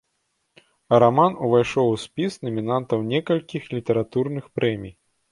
Раман увайшоў у спіс намінантаў некалькіх літаратурных прэмій.